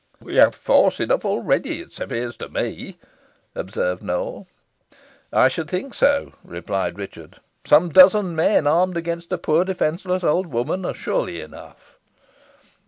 "We have force enough already, it appears to me," observed Nowell. "I should think so," replied Richard. "Some dozen men, armed, against a poor defenceless old woman, are surely enough."